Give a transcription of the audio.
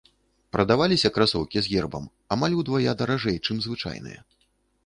Прадаваліся красоўкі з гербам амаль удвая даражэй, чым звычайныя.